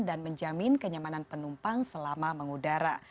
dan menjamin kenyamanan penumpang selama mengudara